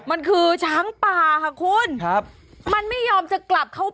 มันคือช้างป่าค่ะคุณครับมันไม่ยอมจะกลับเข้าไป